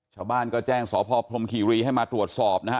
ชาวบ้านก็แจ้งสพพรมคีรีให้มาตรวจสอบนะฮะ